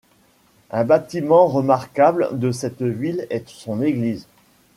Un bâtiment remarquable de cette ville est son église.